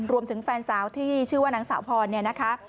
แฟนสาวที่ชื่อว่านางสาวพรเนี่ยนะคะ